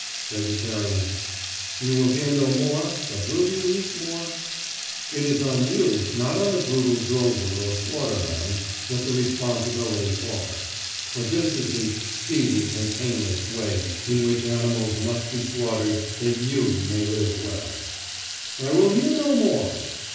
VEGETARIAN: You will hear no more—but will you eat more? It is on you, not on the brutal drover or slaughterman, that the responsibility falls. For this is the "speedy and painless" way in which animals must be slaughtered that you may live well. "I will hear no more."